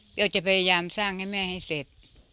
ก็จะพยายามสร้างให้แม่ให้เสร็จ